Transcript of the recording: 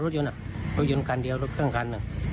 รถยนต์กันเดียวรถเครื่องคัน